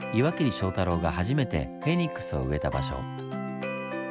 章太郎が初めてフェニックスを植えた場所。